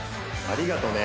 ありがとうね